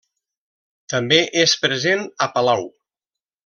També és present a Palau.